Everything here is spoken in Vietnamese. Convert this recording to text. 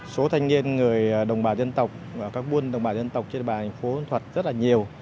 số thanh niên người đồng bào dân tộc và các buôn đồng bào dân tộc trên địa bàn thành phố thuật rất là nhiều